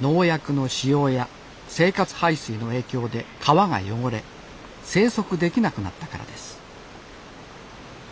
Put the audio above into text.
農薬の使用や生活排水の影響で川が汚れ生息できなくなったからです